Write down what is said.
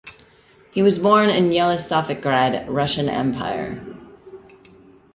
He was born in Yelisavetgrad, Russian Empire.